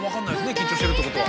緊張してるってことは。